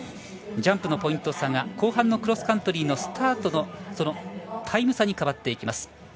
ジャンプのポイント差が後半のクロスカントリーのスタートのタイム差に変わっていきます。